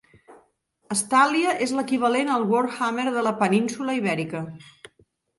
Estalia és l'equivalent al Warhammer de la península Ibèrica.